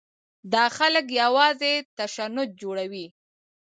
دا خلک یوازې تشنج جوړوي.